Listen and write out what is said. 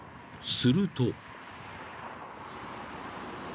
［すると］